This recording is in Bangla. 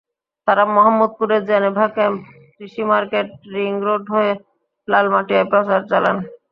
তাঁরা মোহাম্মদপুরের জেনেভা ক্যাম্প, কৃষি মার্কেট, রিং রোড হয়ে লালমাটিয়ায় প্রচার চালান।